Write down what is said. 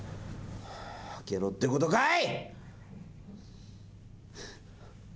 開けろってことかい！